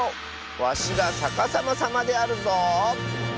わしがさかさまさまであるぞ。